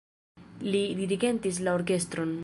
Li dirigentis la orkestron.